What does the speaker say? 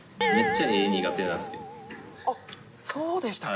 あっ、そうでしたか。